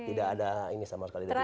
tidak ada ini sama sekali dari